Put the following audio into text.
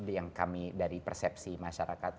yang kami dari persepsi masyarakat